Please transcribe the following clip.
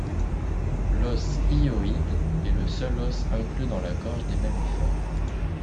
L'os hyoïde est le seul os inclus dans la gorge des mammifères.